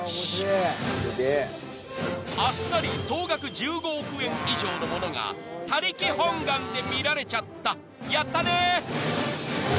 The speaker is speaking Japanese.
［あっさり総額１５億円以上のものが他力本願で見られちゃったやったね！］